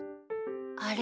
あれ？